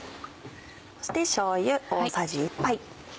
そしてしょうゆ大さじ１杯。